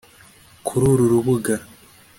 Kuri uru rubuga